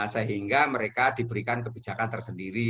sehingga mereka diberikan kebijakan tersendiri